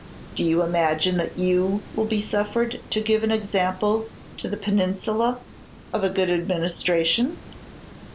Do you imagine that you will be suffered to give an example to the Peninsula of a good administration?"